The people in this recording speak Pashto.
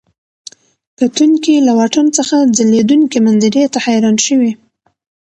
کتونکي له واټن څخه ځلېدونکي منظرې ته حیران شوي.